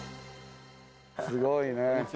すごいね。